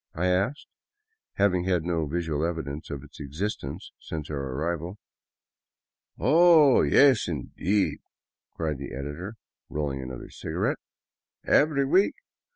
I asked, having had no visual evidence of its existence since our arrival. " Oh, yes, indeed !" cried the editor, rolling another cigarette, " Every week.